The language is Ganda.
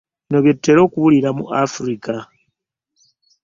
Bino bye tutera okuwulira mu Africa.